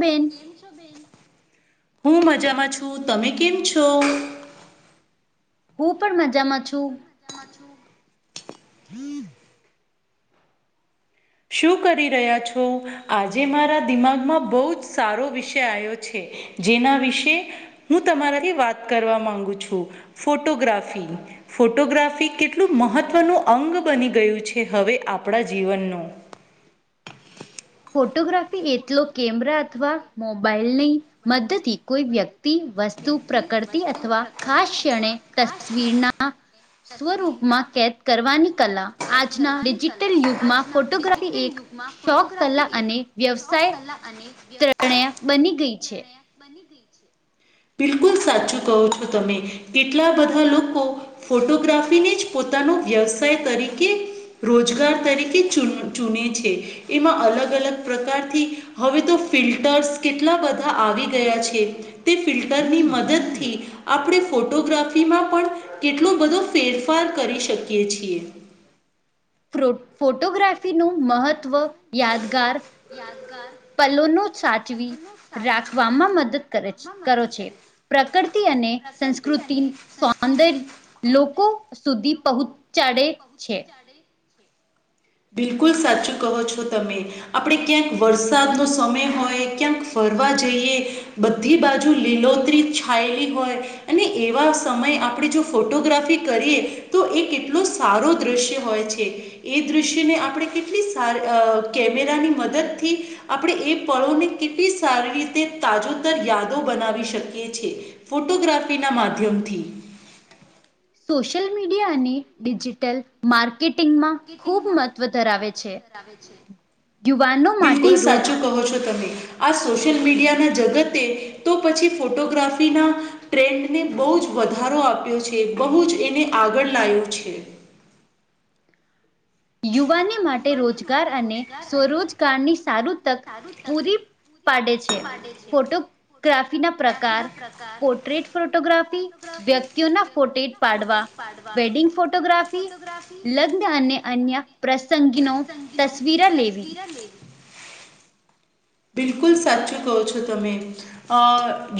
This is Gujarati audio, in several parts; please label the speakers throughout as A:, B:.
A: બેન.
B: કેમ છો બેન હું મજામાં છું તમે કેમ છો.
A: હું પણ મજામાં છું.
B: મજામાં છું. શું કરી રહ્યા છો આજે મારા દિમાગમાં બહુ જ સારો વિષય આયો છે. જેના વિશે હું તમારાથી વાત કરવા માંગુ છું ફોટોગ્રાફી. ફોટોગ્રાફી કેટલું મહત્ત્વનું અંગ બની ગયું છે હવે આપણા જીવનનું.
A: ફોટોગ્રાફી એટલો કેમેરા અથવા મોબાઈલની મદતિ. કોઈ વ્યક્તિ વસ્તુ પ્રકૃતિ અથવા ખાસ ક્ષણે તસવીરના. સ્વરૂપમાં કેદ કરવાની કલા આજના ડિજિટલ યુગમાં ફોટોગ્રાફી એક.
B: મા ફોટોગ્રાફ.
A: આ અને વ્યવસાય
B: અને વ્યવસાય [unintelligible] બની ગઈ છે. બિલકુલ સાચું કહો છો તમે કેટલા બધા લોકો ફોટોગ્રાફીને જ પોતાનો વ્યવસાય તરીકે રોજગાર તરીકે ચૂ ચૂને છે. એમાં અલગ અલગ પ્રકારથી હવે તો ફિલ્ટર્સ કેટલા બધા આવી ગયા છે. તે ફિલ્ટરની મદદ થી આપણે ફોટોગ્રાફીમાં પણ કેટલો બધો ફેરફાર કરી શકીએ છીએ.
A: પ્રો ફોટોગ્રાફીનું મહત્વ
B: મહત્વ યાદગાર
A: પલોનો સાચવી રાખવામાં મદદ કરે કરો છે. પ્રકૃતિ અને સંસ્કૃતિ સૌંદર્ય લોકો સુધી પહું
B: બિલકુલ સાચું કહો છો તમે. આપણે ક્યાંક વરસાદનો સમય હોય ક્યાંક ફરવા જઈએ બધ બધી બાજુ લીલોતરી છાયેલી હોય અને એવા સમયે આપણે જો ફોટોગ્રાફી કરીએ તો એ કેટલો સારો દ્રશ્ય હોય છે એ દ્રશ્યને આપણે કેટલી સારી અ કેમેરા ની મદદ થી આપણે એ પળોને કેટલી સારી રીતે તાજો યાદો બનાવી શકીએ છે ફોટોગ્રાફી ના માધ્યમથી.
A: સોશિલ મીડિયા અને ડિજિટલ માર્કેટિંગમાં ખુબ મહત્વ ધરાવે છે.
B: બિલકુલ સાચું કહો છો તમે. આ સોશિયલ મીડિયાના જગતે તો પછી ફોટોગ્રાફીના ટ્રેન્ડ એને બો જ વધારો આપ્યો છે બહુ જ એને આગળ લાયું છે.
A: યુવાને માટે રોજગાર અને સ્વરોજગારની સારું તક પૂરી પાડે છે ફોટો ગ્રાફી ના પ્રકાર પોર્ટ્રેટ ફોટોગ્રાફી વ્યક્તિઓના ફોટેટ પાડવા વેડિંગ ફોટોગ્રાફી લગ્ન અને અન્ય પ્રસંગ નો
B: નો તસવીર લેય. બિલકુલ સાચું કહો છો તમે. અ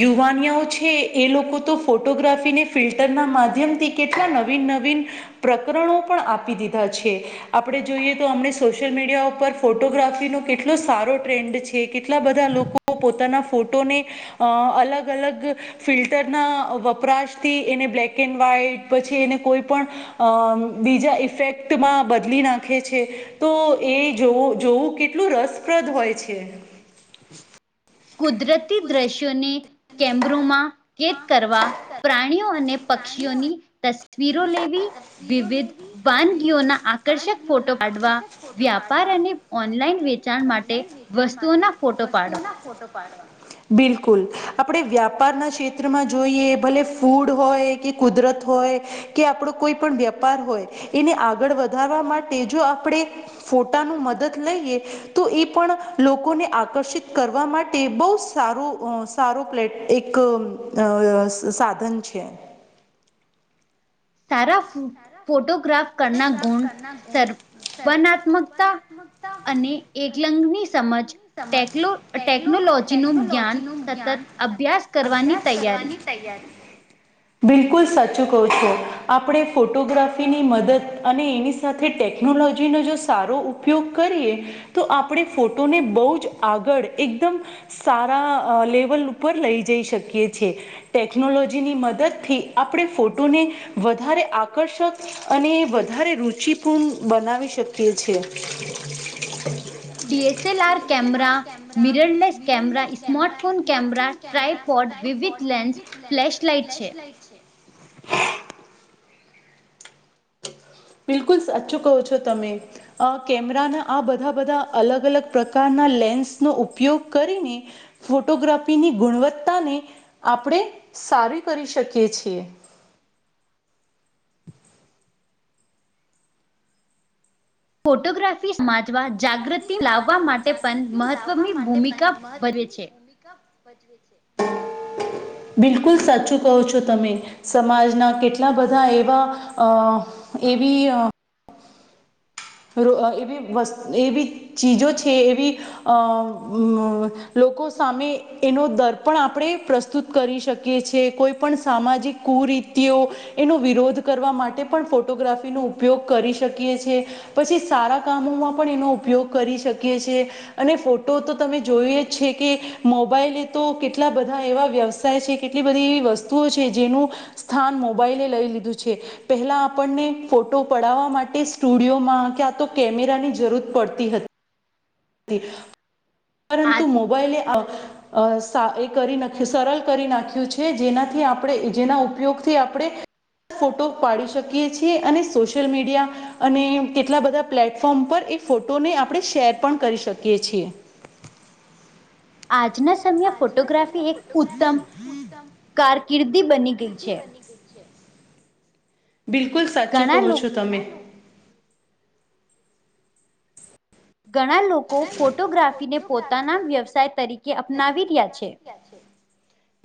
B: યુવાનિયાઓ છે એ લોકો તો ફોટોગ્રાફીને ફિલ્ટરના માધ્યમથી કેટલા નવીન નવીન પ્રકરણો પણ આપી દીધા છે આપણે જોઈએ તો અમણે સોશિયલ મીડિયા ઉપર ફોટોગ્રાફીનો કેટલો સારો ટ્રેન્ડ છે. કેટલા બધા લોકો લોકો પોતાના ફોટોને અલગ અલગ ફિલ્ટરના વપરાશથી એને બ્લેક એન્ડ વ્હાઈટ પછી એને કોઈ પણ અ બીજા ઈફેક્ટમાં બદલી નાખે છે. તો એ જોવું જોવું કેટલું રસપ્રદ હોય છે.
A: કુદરતી દ્રશ્યોને કેમરૂમાં કેદ કરવા પ્રાણીઓ અને પક્ષીઓની તસવીરો લેવી વિવિધ વાનગીઓના આ આકર્ષક ફોટો પાડવા વ્યાપાર અને ઓનલાઈન વેચાણ માટે
B: માટે વસ્તુઓ ના ફોટો બિલકુલ આપણેે વ્યાપાર ના ક્ષેત્રમાં જોઈએ ભલે ફૂડ હોય કે કુદરત હોય કે આપડો કોઈ પણ વેપાર હોય. એને આગળ વધારવા માટે જો આપણે ફોટાનું મદદ લઈએ. તો એ પણ લોકોને આકર્ષિત કરવા માટે બો સારું અ સારો પ્લેટ એક અ સ સાધન છે.
A: સારા ફૂ ફોટો.
B: [unintelligible]
A: અને એકલંગની સમજ ટેકલો ટેકનોલોજીનું જ્ઞાન સતત અભ્યાસ કરવાની તૈયારી.
B: તૈયારી, બિલકુલ સાચું કહો છો, આપડે ફોટોગ્રાફી ની મદદ અને એની સાથે ટેકનોલોજીનો જો સારો ઉપયોગ કરીએ તો આપડે ફોટોને બૌજ આગળ એકદમ સારા અ લેવલ ઉપર લઈ જઈ શકીએ છે. ટેકનોલોજીની મદદ થી, આપડે ફોટોને વધારે આકર્ષક અને વધારે રુચિપૂમ બનાવી શકીએ છીએ.
A: D S L R camera mirrorless camera, smart phone camera, tripod, વિવિધ લેન્સ, ફ્લેશ
B: ફ્લેશ લાઈટ છે. બિલકુલ સાચુ કહો છો તમે. અ કેમરાને આ બધા બધા અલગ અલગ પ્રકારના લે સ્નો ઉપયોગ કરીને. ફોટોગ્રાપીની ગુણવત્તાને, આપડે સારી કરી શકીએ છીએ.
A: ફોટોગ્રા પીસ માજવા જાગ્રતિ લાવવા માટે પન, મહત્વમી ભૂમિકા ભજવે છે.
B: [inaudible] બિલકુલ, સાચું કઓ છો તમે. સમાજના કેટલા બધા એવા, અહ એવી અહ રો અ એવી વસ એવી ચીજો છે, એવી અમ્મ. લોકો સામે એનો દર્પણ આપડે પ્રસ્તુત કરી શકીએ છે, કોઈ પણ સામાજિક કુ રીતિયો. એનો વિરોધ કરવા માટે પણ ફોટોગ્રાફીનો ઉપયોગ કરી શકીયે છે. પછી સારા કામોમાં પણ એનો ઉપયોગ કરી શકીયે છે. અને ફોટો તો તમે જોયે છે કે, મોબાઈલે તો કેટલા બધા એવા વ્યવસાય છે. કેટલી બધી એવી વસ્તુઓ છે, જેનું સ્થાન મોબાઈલે લઈ લીધું છે. પેહલા આપણને ફોટો પડાવા માટે સ્ટુડિયો માં ક્યાં તો કેમેરાની જરૂત પડતી હતી. તી, પરંતુ મોબાઇલે આ અ સા એ કરી નાખ્યું, સરલ કરી નાખ્યું છે, જેનાથી આપડે જેના ઉપયોગથી આપડે ફોટો પાડી શકિયા છીએ, અને સોશલ મીડિયા અને કેટલા બધા પ્લેટફોમ પર એ ફોટોને આપણે શેર પણ કરી શકીએ છીએ.
A: આજના સ
B: [unintelligible]
A: કારકિરદી બની ગઈ છે.
B: બિલકુલ સાચું કહો છો તમે.
A: ગણા લોકો ફોટોગ્રાફીને પોતાના વ્યવસાય તરીકે અપનાવી રિયા છે.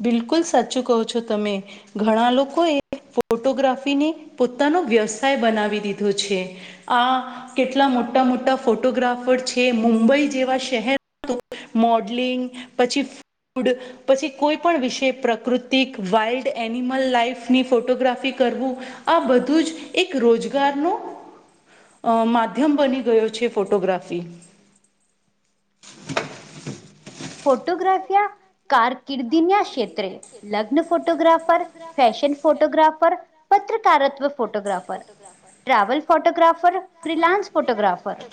B: બિલકુલ સાચું કહો છો તમે. ઘણા લોકો એ, ફોટોગ્રાફીને પોતાનો વ્યવસાય બનાવી દીધો છે. આ કેટલા મોટા મોટા ફોટોગ્રાફળ છે, મુંબઈ જેવા શહેર તો મોડલિંગ પછી ફૂડ પછી કોઈ પણ વિશે પ્રકૃતિક વાઇલ્ડ એનિમલ લાઈફની ફોટોગ્રાફી કરવું. આ બધું જ એક રોજગાર નો. અ માધ્યમ બની ગયો છે ફોટોગ્રાફી.
A: ફોટોગ્રાફિયા કારકિર્દી ના સેપ ત્ર લગ્ન ફોટોગ્રાફર ફેશન ફોટોગ્રાફર પત્રકારત્વ photographer. Travel photographer freelance photographer.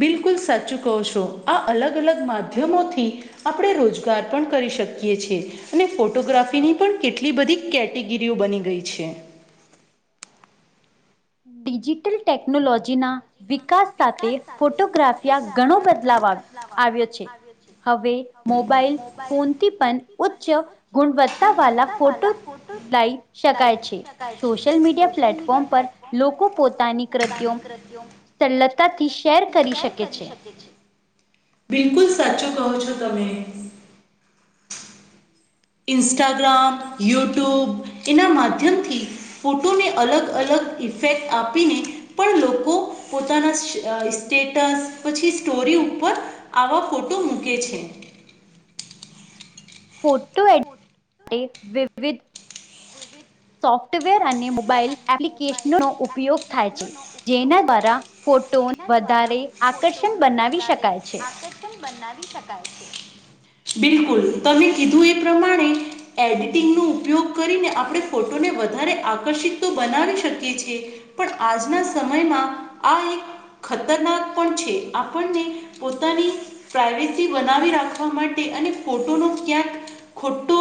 B: બિલકુલ સાચું કહો શો આ અલગ અલગ માધ્યમોથી આપણે રોજ [unintelligible] પણ કરી શકીએ છીએ. અને ફોટોગ્રાફીની પણ કેટલી બધી કેટેગરીઓ બની ગઈ છે
A: ડિજિટલ ટેકનોલોજી ના વિકાસ સાથે ફોટોગ્રાફિયા ઘણો બદલાવ આવ્યો છે હવે મોબાઈલ ફોનથી પણ ઉચ્ચ ગુણવત્તા વાળ ફોટો લઇ શકાય છે સોશિયલ મીડિયા પ્લેટફોર્મ પર લોકો પોતાની કૃત્યો સરલતાથી શેર કરી શકે છે
B: [inaudible] બિલકુલ સાચું કહો છો તમે ઇન્સ્ટાગ્રામ યુટ્યુબ એના માધ્યમથી ફોટોને અલગ અલગ ઇફેક્ટ આપીને પણ લોકો પોતાના સ્ટેટસ પછી સ્ટોરી ઉપર આવા ફોટો મૂકે છે
A: ફોટો એડિ [inaudible] વિવિધ
B: વિવિધ
A: સોફ્ટવેર અને મોબાઈલ એપ્લિકેશનો નો ઉપયોગ થાય છે જેના દ્વારા ફોટો વધારે આકર્ષણ બનાવી શકાય છે
B: બિલકુલ તમે કીધું એ પ્રમાણે એડિટિંગ નો ઉપયોગ કરીને આપણે ફોટોને વ વધારે આકર્ષિત તો બનાવી શકી છેએ પણ આજના સમયમાં આ એક ખતરનાક પણ છે આપણને પોતાની પ્રાઈવેસી બનાવી રાખવા માટે અને ફોટોનો ક્યાંક ખોટો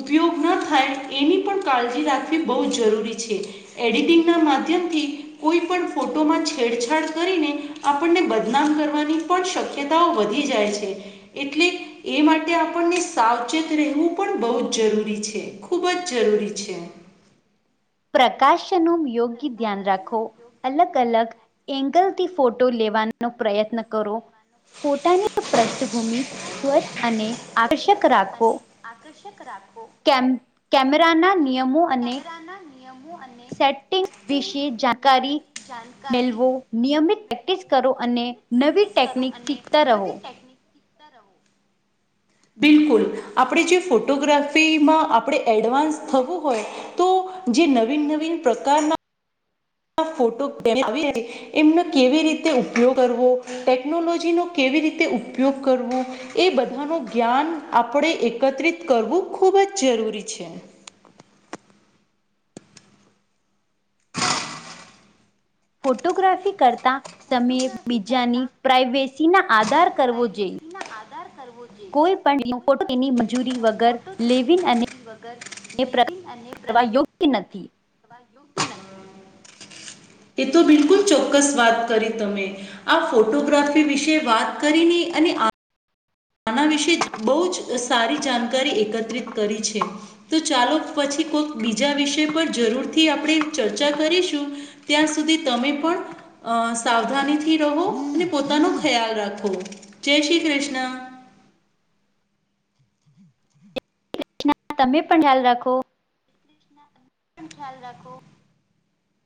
B: ઉપયોગ ના થાય એની પણ કાળજ઼ી રાખવી બહું જરૂરી છે એડિટિંગ ના માધ્યમથી કોઈ પણ ફોટોમાં છેડછાડ કરીને આપણને બદનામ કરવાની પણ શક્યતાઓ વધી જાય છે એટલે એ માટે આપણને સાવચેત રહેવું પણ બહું જ જરૂરી છે ખૂબ જ જરૂરી છે
A: પ્રકાશ નું યોગ્ય ધ્યાન રાખો અલગ અલગ એંગલથી ફોટો લેવાનો પ્રયત્ન કરો ફોટાની પષ્ઠભૂમિ સ્વચ્છ અને આકર્ષક રાખવો
B: આકર્ષક રાખો
A: કેમ કેમેરાના નિયમો અને સેટિંગ વિશે જાણકારી મેલવો નિયમિત પ્રેક્ટિસ કરો અને નવી ટેકનિક શીખતા રહો
B: બિલકુલ આપડે જે ફોટોગ્રાફીમાં આપણે એડવાન્સ થવું હોય તો જે નવીન નવીન પ્રકાર માં ના ફોટો કેમ આવી રહે એમનો કેવી રીતે ઉપયોગ કરવો, ટેકનોલોજીનો કેવી રીતે ઉપયોગ કરવો. એ બધાનું જ્ઞાન આપણે એકત્રિત કરવું ખૂબ જ જરૂરી છે.
A: ફોટોગ્રાફી કરતા સમયે બીજાની પ્રાઈવેસી ના આદાર કરવો જોઈએ કોઈ પણ ફોટોની એની મંજૂરી વગર લેવી અને પ્રક કરવા યોગ્ય નથી.
B: એ તો બિલકુલ ચોક્કસ વાત કરી તમે. આ ફોટોગ્રાફી વિશે વાત કરીને અને આ આના વિશે જ બો જ સારી જાણકારી એકત્રિત કરી છે. તો ચાલો પછી કોક બીજા વિષય પર જરૂરથી આપણે ચર્ચા કરીશું. ત્યાં સુધી તમે પણ અ સાવધાની થી રહો અને પોતાનો ખ્યાલ રાખો જય શ્રી કૃષ્ણ.
A: તમે પણ ખ્યાલ રાખો.
B: તમે પણ ખ્યાલ રાખો.